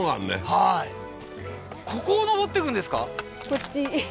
はいここを登ってくんですか？